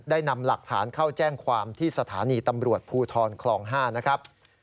ได้นำหลักฐานเข้าแจ้งความที่สถานีตำรวจภูทรคลอง๕นะครับ